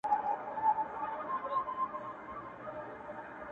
د اوبو وږي نهنگ یوه گوله کړ٫